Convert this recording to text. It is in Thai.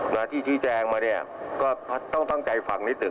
นะที่ชี้แจงมาเนี่ยก็ต้องตั้งใจฟังนิดหนึ่ง